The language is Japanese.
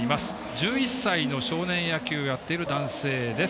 １１歳の少年野球をやっている男性です。